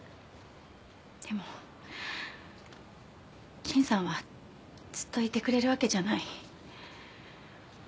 でも陳さんはずっといてくれるわけじゃない。